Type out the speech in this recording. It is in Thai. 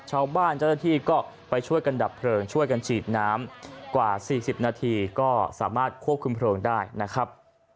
ชาวบ้านเจ้าหน้าที่ก็ไปช่วยกันดับเพลิงช่วยกันฉีดน้ำกว่า๔๐นาทีก็สามารถควบคุมเพลิงได้นะครับ